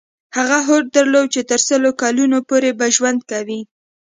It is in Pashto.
هغه هوډ درلود چې تر سلو کلونو پورې به ژوند کوي.